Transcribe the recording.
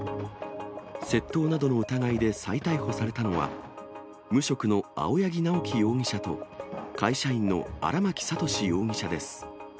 窃盗などの疑いで再逮捕されたのは、無職の青柳直樹容疑者と会社員の荒巻悟志容疑者です。